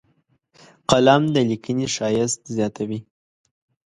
قلم د لیکنې ښایست زیاتوي